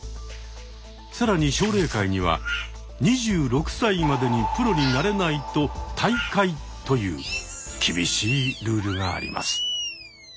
更に奨励会には２６歳までにプロになれないと退会という厳しいルールがあります。